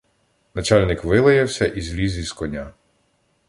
Начальник вилаявся і зліз із коня.